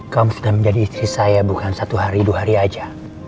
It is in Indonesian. kaum sudah menjadi istri saya bukan satu hari dua hari aja